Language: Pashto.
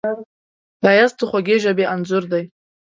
ښایست د خوږې ژبې انځور دی